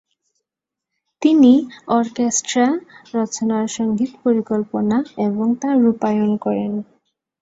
তিনি অর্কেস্ট্রা রচনার সঙ্গীত পরিকল্পনা এবং তা রূপায়ন করেন।